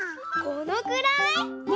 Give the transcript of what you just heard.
このくらい！